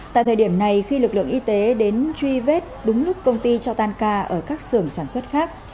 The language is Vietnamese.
tại thời điểm này khi lực lượng y tế đến truy vết đúng lúc công ty cho tan ca ở các xưởng sản xuất khác